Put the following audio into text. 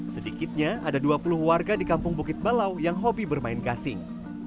sedikitnya ada dua puluh warga di kampung bukit balau yang hobi bermain gasing